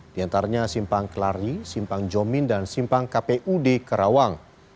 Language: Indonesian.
di antaranya simpang kelari simpang jomin dan simpang kpud karawang